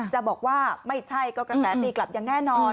จะบอกว่าไม่ใช่ก็กระแสตีกลับอย่างแน่นอน